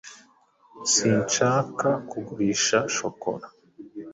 Sinshaka kugurisha shokora.